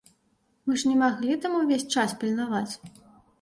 Мы ж не маглі там увесь час пільнаваць!